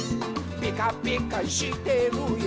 「ピカピカしてるよ」